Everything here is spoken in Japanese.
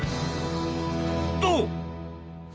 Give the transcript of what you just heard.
と。